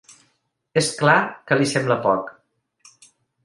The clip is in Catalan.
És clar que li sembla poc.